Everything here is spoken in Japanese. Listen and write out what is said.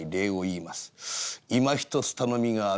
いまひとつ頼みがある。